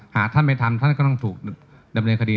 หาท่านไม่ทันท่านก็ต้องถูกดำเนินคดี